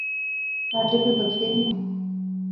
پارلے کوئی بکھلے نئیں